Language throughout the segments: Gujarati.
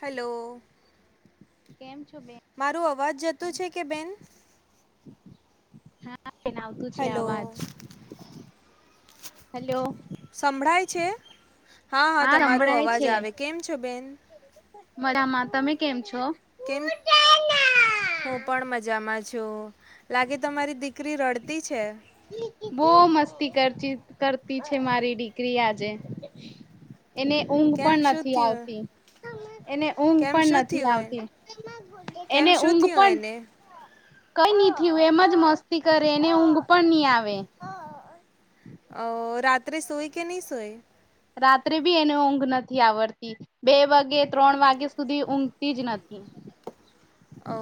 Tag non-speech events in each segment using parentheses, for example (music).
હલો કેમ છો બેન? તારો અવાજ જતો છે કે બેન? હા આવતું છે, હેલો અવાજ હલો સંભળાય છે હા હા તમાર અવાજ આવે કેમ છો બેન? બરામાં તમે કેમ છો? કેમ જો લાગે તમારી દીકરી રડતી છે? બહ મસ્તી કર કરતી છે, મારી દીકરી આજે એને ઊંઘ કેમ પણ શું નથી થયું આવતી, એને ઊંઘ કેમ પણ શું નથી, થયું એ આવતી કેમ એને શું ઊંઘ થયું પણ એને કઈ નહ થું એમ જ મસ્તી કરે એને ઊંઘ પણ નહી આવે અ રાત્રે સોય કે નહી સોય? રાત્રે બી એને ઊંઘ નથી આવડતી, બે વાગે ત્રણ વાગે સુધી ઊંઘતી જ નથી. હ અ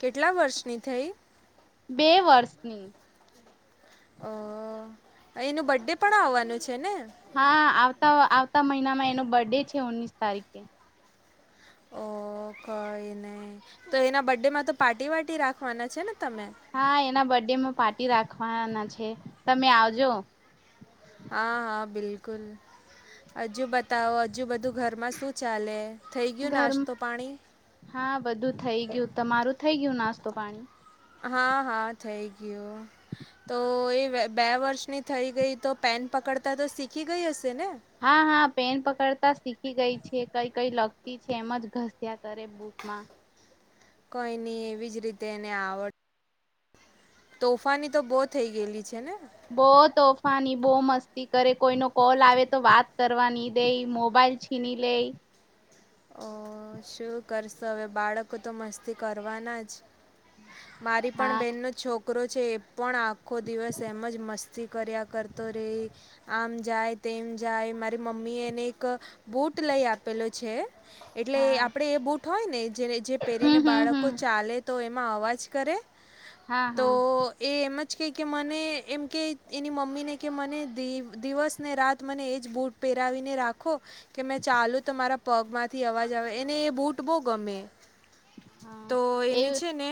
કેટલા વર્ષની થઈ? બે વર્ષની. ઓ એનું બરડે પણ આવવાનું છે ને હા આવતા મહિનામાં એનો બર્ડે છે ઓનીસ તારીખે. ઓ કઈ નહી, તો એના બર્ ડે માં તો પાર્ટી વાટી રાખવાના છે ને? તમે? હા એના બર્ડેમાં પાર્ટી રાખવાના છે, તમે આવજો. હા હા બિલકુલ, હજુ બતાવો હજુ બધું? ઘરમાં શું ચાલે, થઈ ગયું ઘર નાસ્તો પાણી? હા બધું થઈ ગયું તમારું થઈ ગયું નાસ્તો પાણી. હા હા થઇ ગયો. તો એ બે વર્ષની થઈ ગઈ તો પેન પકડતા તો શીખી ગય હ હા હા પેન પકડતા. ગઈ છે કઈ કઈ લગતી છે, એમ જ ઘસ્યા કરે બુકમાં. કોઈ નહી એવી જ રીતે એને આવડ તોફાની તો બહુ થઈ ગયેલી છે ને? બહ તોફાની બહ મસ્તી કરે કોઈ ન કોલ આવે તો વાત કરવાની દે મોબાઈલ બાઈલ છીણી લે. ઓ શું કરશો હવે બાળકો તો મસ્તી કરવાના જ. મારી પણ હા બેહેનનો છોકરો છે એ પણ આખો દિવસ એમ જ મસ્ત કર્યા કરતો રેય આમ જાય તેમ જાય, મારી મમ્મી એને એક બુટ ટ લઈ આપેલો છે. એટલે હા આપડે એ બુટ હોય ને જે જે હમ પહેરીને હમ હમ બાળકો ચાલે તો એમાં અવાજ કરે હા તો હા એ એમાં મને એમ કે એની મમ્મી ને કે મને દિ દિવસને રાત મને એજ બૂટ પે વીને રાખો કે મેં ચાલુ તો મારા પગમાં થી અવાજ આવે એને એ બૂટ બહ ગમે હા તો એ એને છે ને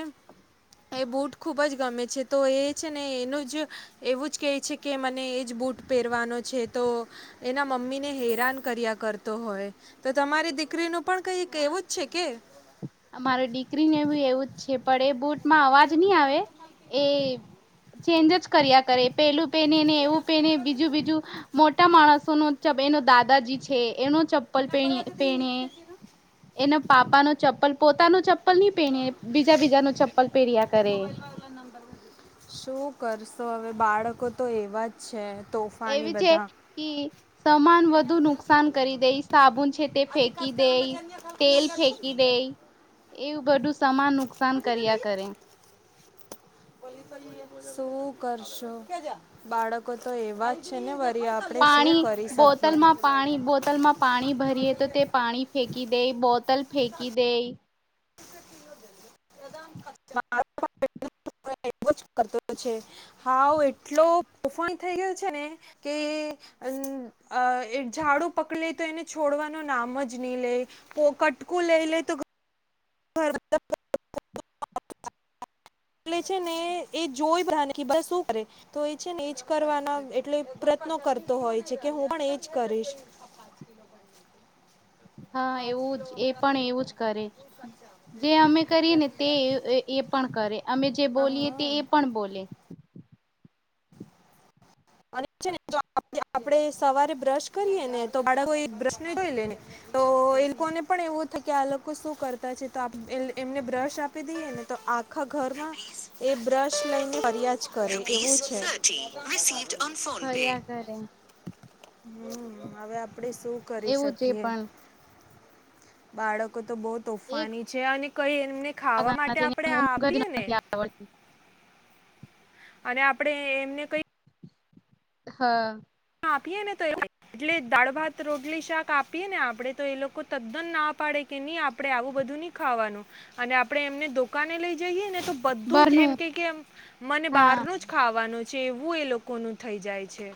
એ બૂટ ખૂબ જ ગમે છે, તો એ છે ને એનું જ એવું જ કેહે છે કે મને એ જ બુટ પહેરવાનો છે તો એના મમ્મીને હેરાન કર્યા કરતો હોય, તો તમારી દી કરીનું પણ કંઈ એવું જ છે કે? અમારી દીકરીને બી એવું જ છે પણ એ બુટમાં અવાજ નહી આવે. એ ચેન્જ જ કર્યા કરે પેલું પેને ને એ એને બીજું બીજું મોટા માણસો નો ચ એનો દાદાજી છે એનો ચં પલ પેણી પેણે. એના પાપા નો ચપ્પલ પોતાનું ચપ્પલ ચપ્પલ નહી પહેણી બીજા બીજા ન ચપ્પલ પહેર્યા કરેએ. તો હવે બાળકો તો એવા જ છે. તોફાની એવી છે બધા કે સમાન વધુ નુકસાન કરી દે સાબુન છે તે ફેંકી દઈ તેલ ફેકી દઈ એવું બધું સમાન નુકસાન કર્યા કરે. શું કરશો બાળકો તો એવા જ છે ને વરી આપણે શું પાણી કરી શકીએ બોતલમાં, પાણી બોતલમાં પાણી ભરીએ તો તે પાણી ફેંકી કી દઈ બોતલ ફેંકી દઈ. હાઉ એટલો તોફાની થઈ ગયો છે ને કે ઝાડુ પકડે તો એને છોડવાનું નામ જ નહી લે, કટકુ લ એ લ તો (unintelligible) એટલે છે ને એ જોય બધાને શું કરે તો એ છે ને એજ કરવાના એટલે પ્રયત્નો કરતો હોય છે કે હું પણ એજ કરીશ. હ (inaudible) હા એવું જ એ પણ એવું જ કરે જે અમે કરીએ ને તે (unintelligible) એ પણ કરે અમે જે બોલીએ તે હા એ પણ બોલે મનષ્યને જ (inaudible) આપડ સવારે બ્રશ કરીએ ને તો બાળકો બ્રશને જોઈ લેને તો એ લોકોને પણ એ (unintelligible) થ કે આ લોકો શું કરતા છે તો એમને બ્રશ આપી દઈએ ને તો આખા ઘરમાં (unintelligible) એ બ્રશ લઈને ફરિયાજ કરો એવું છે (inaudible) થયા‌ કરે. હમ હવે આપણે શું કરી એવું જે શકીએ. પણ બાળકો તો બહ એક તોફાની છે અને કઈ એમને ખાવા માટે આપણેે ઊંઘ જ આપીએ ને નથી આવડતી અને આપડે એમને કઈ હા. આપીએને તો એટલે દાળ, ભાત, રોટલી, શાક આપીએ ને આપડે તો એ લોકો તદ્દન ના પાડે કે ની આપડે આવું બધું ની ખાવાનું અને આપડે એમને દોકાને લઈ જએ ને તો બધું જ બારનું એમ કેય કે મને હા બહારનું જ ખાવાનું ચેવું એ લોકોનું થઈ જાય છે.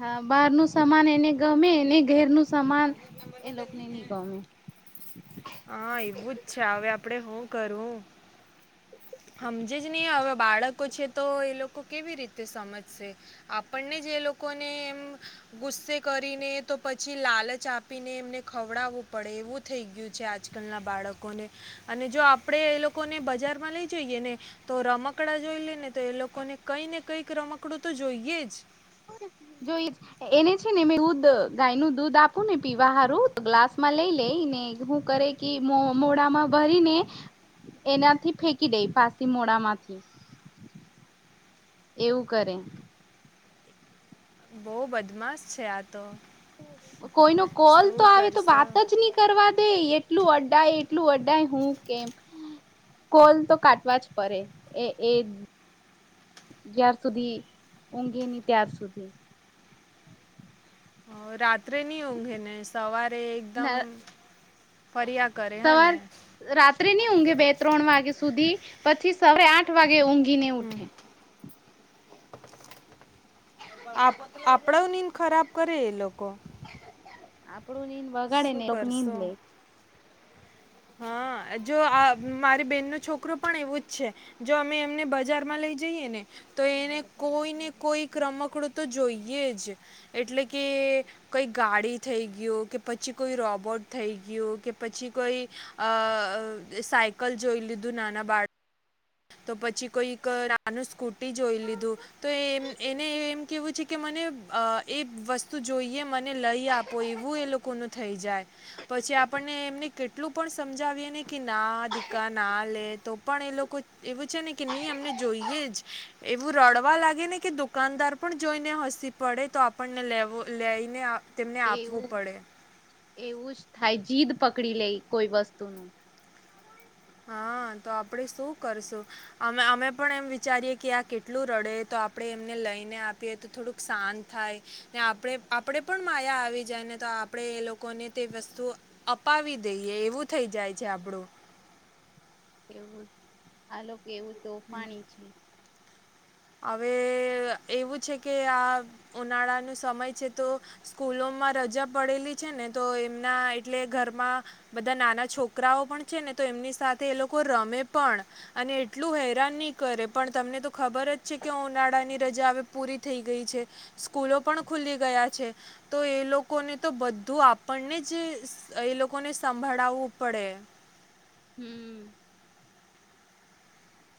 હા, બાર નું સામાન એને ગમે ને ઘેરનું સામાન એ લોકોને નહી ગમે હા, એવું જ છે અવે આપડે હું કરું. હમજે જ ની અવે બાળકો છે તો એ લોકો કેવી રીતે સમજશે આપણને જ એ લોકોને એમ ગુસ્સે કરીને તો પછી લાલચ આપીને એમને ખવડાવુ પડે એવું થઈ ગયું છે આજકાલ ના બાળકોને અને જો આપડે એ લોકોને બજારમાં લઈ જઈએ ને તો રમકડા જોઈ ને તો એ લોકોને કંઈ ને કંઈક રમકડું તો જોઈએ જ. (inaudible) જોઈ એને છે ને મે રુદ ગાય નું દૂધ આપું ને પીવા હારું તો ગ્લાસ માં લેય લેય (unintelligible) ને હું કરે કે મો મોડામાં ભરીને (unintelligible) એનાથી ફેંકી દેય પાસી મોડામાંથી એવું કરે. બો બદમાશ છે આત. કોઈનો કોલ તો આવે તો કરશો વાત જ ની કરવા દેય. એટલું અડાય એટલું અડાય હું કેમ. કોલ તો કાટવા જ પરે એ એ જ્યાર સુધી ઊંઘે ની ત્યાર સુધી. હ રાત્રે ની ઊંઘે ને સવારે એકદમ ફર્યા કરે હ સવાર ને. રાત્રે ની ઊંઘે બે-ત્રણ વાગે સુધી પછી સવારે આઠ વાગે ઊંઘી ને હમ ઉઠે. આપ આપડો નીંદ ખરાબ કરે એ લોકો. આપણું નીંદ બગાડે શું નેક નીંદ કરશો લેય. હા, જો આ મારી બેન નો છોકરો પણ એવું જ છે જો અમે એમને બજારમાં લઈ જએ ને તો એને કોઈને કોઈક રમકડું તો જોઈએ જ એટલે કે કે કોઈ ગાડી થઈ ગીયો કે પછી કોઈ રોબોટ થઈ ગીયો કે પછી કોઈ અ અ સાયકલ જોઈ લીધું નાના બાળ તો પછી કોઈક રાનું સ્કૂટી જોઈ લીધું તો એમ એને એમ કેવું છે કે મને અ એ વસ્તુ જોઈએ મને લઈ આપો એવું એ લોકોનું થઈ જાય. પછી આપણને એમને કેટલું પણ સમજાવીએ ને કે ના દીકા ના લે તો પણ એ લોકો એવું છે ને કે ની અમને જોઈએ જ એવું રડવા લાગે ને કે દુકાનદાર પણ જોઈને હ શી પડે તો આપણને લેવો લઈને તેમને આપવો એવું પડે. એવું જ થાય જીદ પકડી લેય કોઈ વસ્તુ નું. હા, તો આપડે શું કરશું અમે અમે પણ એમ વિચારીએ કે આ કેટલું રડે તો આપડે એમને લઈને આપીએ તો થોડુંક શાંત થાય ને આપડે આપડે પણ માયા આવી જાયને. તો આપડે એ લોકોને તે વસ્તુ અપાવી દઈએ એવું થઈ જાય છે આપડું. એવું જ આ લોકો એવું તોફાની છે. અવે એવું છે કે આ ઉનાળાનો સમય છે તો સ્કૂલો માં રજા પડેલી છે ને તો એમના એટલે ઘરમાં બધા નાના છોકરાઓ પણ છે ને તો એમની સાથે એ લોકો રમે પણ અને એટલું હેરાન ની કરે પણ તમને તો ખબર જ છે કે ઉનાળા ની રજા અવે પૂરી થઈ ગઈ છે સ્કૂલો પણ ખુલી ગયા છે તો એ એ લોકોને તો બધું આપણને જ એ લોકોને સંભળાવવું પડે. હમ્મ.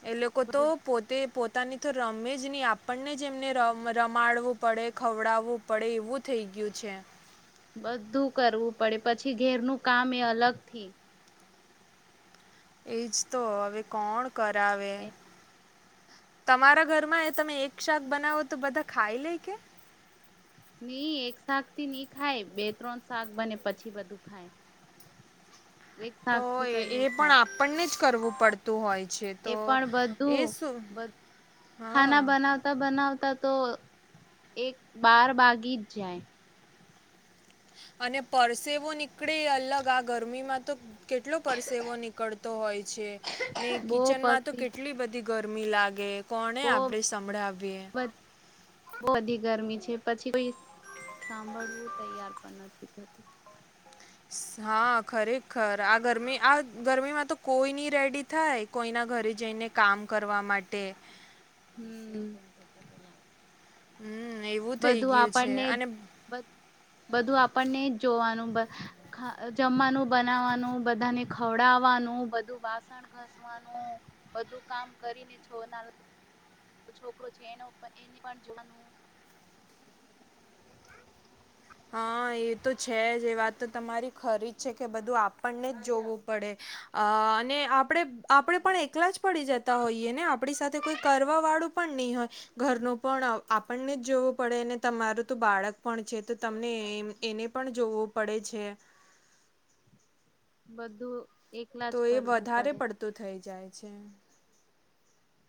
એ લોકો તો પોતે પોતાની. તો રમે જ ની આપણને જ એમને ર રમાડવું પડે ખવડાવવું પડે એવું થઈ ગીયું છે. છે. બધું કરવું પડે પછી ઘેરનું કામ એ અલગથી એજ તો હવે કોણ કરાવે. તમારા ઘરમાં એ તમે એક શાક બનાવો તો બધા ખાઈ લે કે? નઈ એક શાક થી નહી ખાય બે ત્રણ શાક બને પછી બધું ખાય. એક તો શાક થી કઈ એ નહી પણ થાય આપણને જ કરવું પડતું હોય છે એ તો પણ એ શું? બધું હા ખાના બનાવતા બનાવતા તો એક બાર બાગી જ જાય. અને પરસેવો નીકળે અલગ આ ગરમીમાં તો કેટલો પરસેવો નીકળતો હોય છે ને બો કિચન માં તો પસી કેટલી બધી ગરમી લાગે કોને બો આપડે સંભળાવીએ. તે પછી કોઈ સાંભળવું તૈયાર પણ નથી થતું. હા ખરેખર આ ગરમી આ ગરમીમાં તો કોઈ નની રેડી થાય કોઈ ના ઘરે જઈને કામ કરવા માટે. હમ્મ. હમ એવું થઈ બધું ગયું છે આપણને અને બધું આપણને જ જોવાનું જમવાનું બનાવાનું બધાને ખવડાવવાનું બું બાસણ ઘસવાનું બધું કામ કરીને છોના છોકરો છે એના એને પણ જોવાનું. (inaudible) હા એ તો છે જ એ વાત તો તમારી ખરી જ છે કે બધું આપણને જ જોવું પડે. અ અને આપણે આપે પણ એકલા જ પડી જતા હોઈએ ને આપણી સાથે કોઈ કરવા વાળું પણ ની હોય ઘરનું પણ આપણને જ જોવું પડે તમારું તો બાળક પણ છે. તો તમને એને પણ જોવું પડે છે. બધું. એકલા તો જ એ કરવું વધારે પડે પડતું થઇ જાય છે.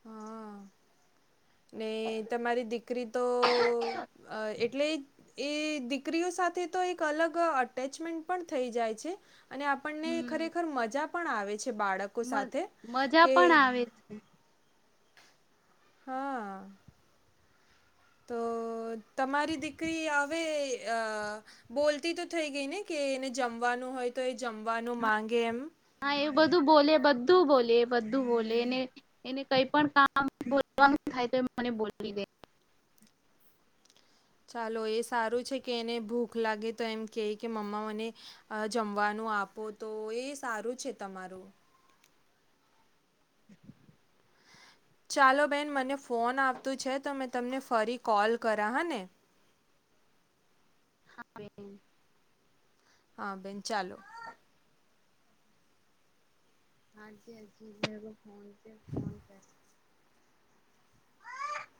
હા. ને તમારી દીકરી તો એટલે એ દીકરીઓ સાથે તો એક અલગ અટેચમેન્ટ પણ થઈ જાય છે. અને આપણને ખરેખર મજા પણ આવે છે. બાળકો મ સાથે મજા કે પણ આવે છે. હા. તો તમારી દીકરી આવે અ બોલતી તો થઈ ગઈ ને કે એને જમવાનું હોય તો એ જમવાનું માંગે એમ. હા એવું બધું બોલે બધું બોલે એ બધું બોલે એને એને કઈ પણ કામ બો તમામ થાઈતો મને બોલી દે. ચાલો એ સારું છે કે એને ભૂખ લાગે તો એમ કે કે મમ્મા મને જમવાનું આપો તો એ સારું છે તમારું. ચાલો બેન મને ફોન આવતું છે તો મેં તમને ફરી કોલ કરા હા ને. (inaudible) (inaudible) હા. બેન ચાલો. (inaudible) હાજ અજીબ હ ફોન પ ફોન કર હા (unintelligible)